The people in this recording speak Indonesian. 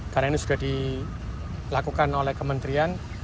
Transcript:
karena ini sudah dilakukan oleh kementerian